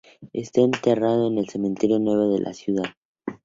Está enterrado en el cementerio Nuevo de esa ciudad.